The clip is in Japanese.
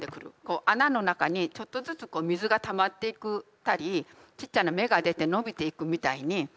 穴の中にちょっとずつ水がたまっていったりちっちゃな芽が出て伸びていくみたいに。